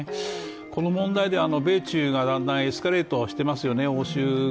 この問題では米中がだんだんエスカレートしてますよね、応酬が。